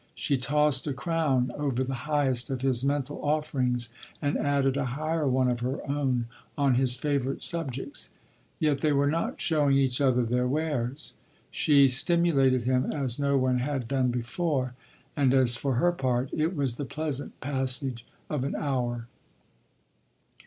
She tossed a crown over the highest of his mental offerings and added a higher one of her own on his favourite subjects. Yet they were not showing each other their wares. She stimulated him as no one had done before, and as for her part—it was the pleasant passage of an hour.